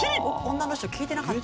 女の人聴いてなかった。